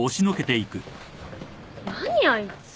何あいつ。